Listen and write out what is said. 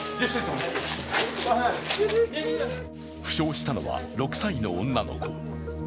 負傷したのは６歳の女の子。